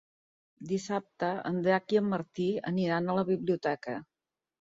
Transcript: Dissabte en Drac i en Martí aniran a la biblioteca.